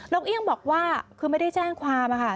เอี่ยงบอกว่าคือไม่ได้แจ้งความค่ะ